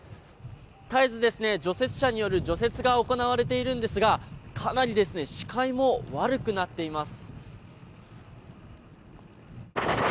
絶えず除雪車による除雪が行われているんですがかなり視界も悪くなっています。